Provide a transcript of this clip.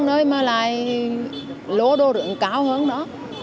nơi mà lại lô đô lượng cao hơn đó